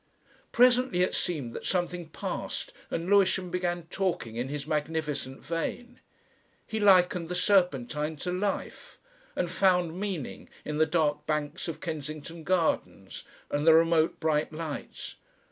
Presently it seemed that something passed and Lewisham began talking in his magnificent vein. He likened the Serpentine to Life, and found Meaning in the dark banks of Kensington Gardens and the remote bright lights.